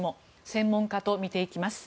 専門家と見ていきます。